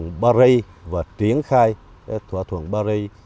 thỏa thuận paris và triển khai thỏa thuận paris